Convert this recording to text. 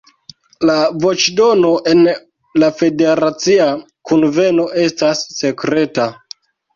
La voĉdono en la Federacia Kunveno estas sekreta.